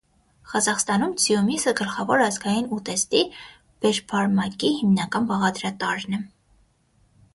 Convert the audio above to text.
Ղազախստանում ձիու միսը գլխավոր ազգային ուտեստի՝ բեշբարմակի հիմնական բաղադրատարրն է։